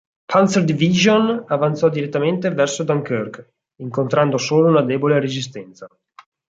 Panzer-Division avanzò direttamente verso Dunkerque, incontrando solo una debole resistenza.